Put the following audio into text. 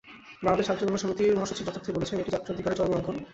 বাংলাদেশ যাত্রীকল্যাণ সমিতির মহাসচিব যথার্থই বলেছেন, এটা যাত্রী অধিকারের চরম লঙ্ঘন।